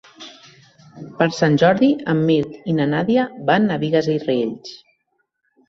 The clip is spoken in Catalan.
Per Sant Jordi en Mirt i na Nàdia van a Bigues i Riells.